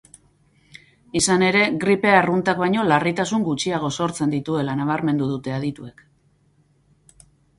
Izan ere, gripe arruntak baino larritasun gutxiago sortzen dituela nabarmendu dute adituek.